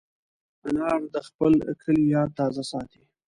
انا د خپل کلي یاد تازه ساتي